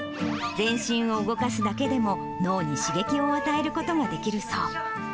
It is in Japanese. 全身を動かすだけでも、脳に刺激を与えることができるそう。